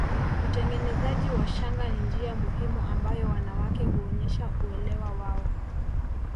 Utengenezaji wa shanga ni njia muhimu ambayo wanawake huonyesha uelewa wao